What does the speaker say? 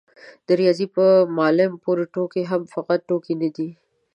د رياضي په معلم پورې ټوکې هم فقط ټوکې نه دي.